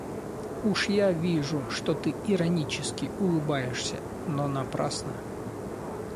Уж я вижу, что ты иронически улыбаешься, но напрасно.